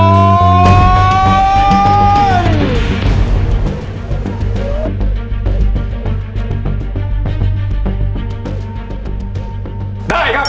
ร้องได้ให้ล้าน